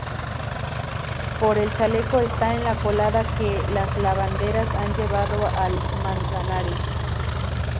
Pero el chaleco está en la colada que las lavanderas han llevado al Manzanares.